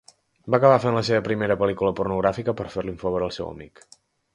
Va acabar fent la seva primera pel·lícula pornogràfica per fer-li un favor a un amic.